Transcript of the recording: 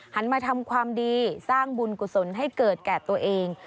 หันมาทำความดีสร้างบุญกุศลให้เกิดแก่ตัวเอง